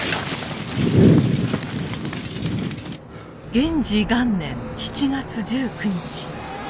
元治元年７月１９日。